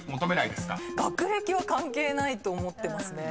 学歴は関係ないと思ってますね。